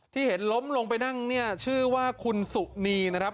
ที่เห็นล้มลงไปนั่งเนี่ยชื่อว่าคุณสุนีนะครับ